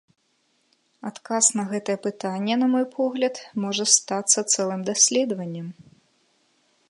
Адказ на гэта пытанне, на мой погляд, можа стацца цэлым даследаваннем.